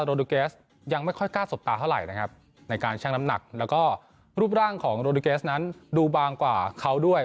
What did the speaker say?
ดูเกสยังไม่ค่อยกล้าสบตาเท่าไหร่นะครับในการชั่งน้ำหนักแล้วก็รูปร่างของโรดิเกสนั้นดูบางกว่าเขาด้วย